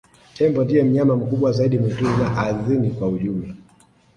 tembo ndiye mnyama mkubwa zaidi mwituni na ardini kwa ujumla